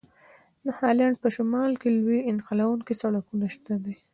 د هالند په شمال کې لوی نښلوونکي سړکونه شته دي.